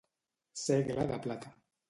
Segle de plata.